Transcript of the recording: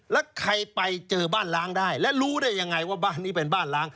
แล้วใครไปเจอบ้านล้างได้และรู้ได้ยังไงว่าบ้านนี้เป็นบ้านล้าง